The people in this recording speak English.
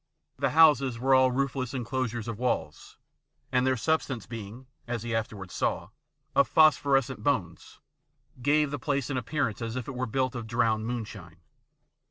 The houses were all roofless enclosures of walls, and their substance being, as he after wards saw, of phosphorescent bones, gave the place an appearance as if it were built of drowned moonshine.